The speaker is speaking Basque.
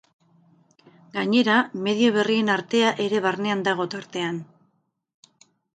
Gainera, medio berrien artea ere barnean dago, tartean.